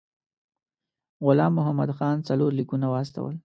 غلام محمد خان څلور لیکونه واستول.